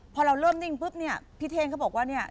พอเราเริ่มนิ่งปุ๊บเนี่ยพี่เท่งเขาบอกว่าเนี่ย